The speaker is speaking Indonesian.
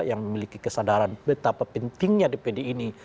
yang memiliki kesadaran betapa pentingnya dpd ini